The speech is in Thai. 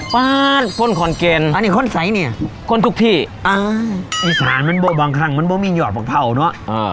ป้านพ่นคอนเกณฑ์อันนี้คนใส่เนี่ยคนทุกที่อ๋ออีสานมันบ่บางครั้งมันบ่มียอดประเภาเนอะเออ